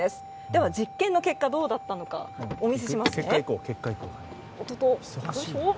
では、実験の結果どうだったかお見せします。